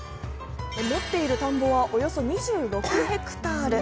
持っている田んぼはおよそ２６ヘクタール。